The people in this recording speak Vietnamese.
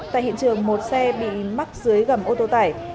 tại hiện trường một xe bị mắc dưới gầm ô tô tải